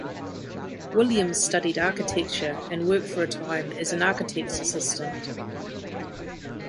Williams studied architecture and worked for a time as an architect's assistant.